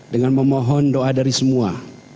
dengan memohon doa dari semua